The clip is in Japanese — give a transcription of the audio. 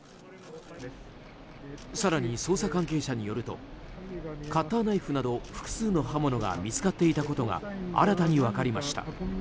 更に捜査関係者によるとカッターナイフなど複数の刃物が見つかっていたことが新たに分かりました。